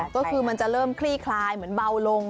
ก็คือมันจะเริ่มคลี่คลายเหมือนเบาลง